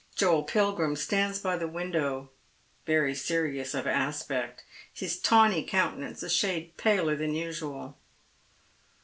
Joel Pilgrim stands by the ^^andow, very serious of aspect, hia tawny countenance a shade paler than usual.